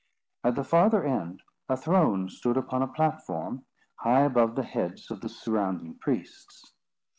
At the farther end a throne stood upon a platform, high above the heads of the surrounding priests.